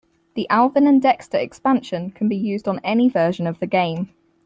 The Alvin and Dexter Expansion can be used on any version of the game.